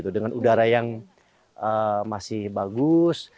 dengan udara yang masih bagus